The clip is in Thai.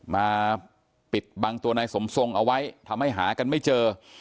มาปิดบังตัวนายสมทรงเอาไว้ทำให้หากันไม่เจอ